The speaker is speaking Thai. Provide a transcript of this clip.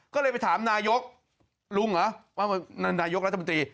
ก็เลยไปถามนายกลุงเหรอนายกรัฐบันตรี